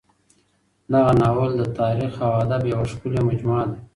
دغه ناول د تاریخ او ادب یوه ښکلې مجموعه ده.